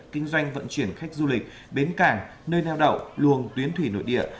kinh doanh vận chuyển khách du lịch bến cảng nơi neo đậu luồng tuyến thủy nội địa